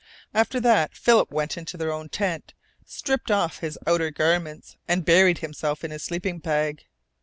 After that Philip went into their own tent, stripped off his outer garments, and buried himself in his sleeping bag.